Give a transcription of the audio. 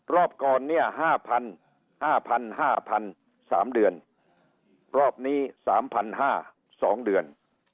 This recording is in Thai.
รอบก่อนเนี่ย๕๐๐๐๕๐๐๐๕๐๐๐๓เดือนรอบนี้๓๕๐๐๒เดือน